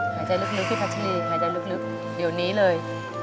หายใจลึกที่พัชรีหายใจลึกเดี๋ยวนี้เลย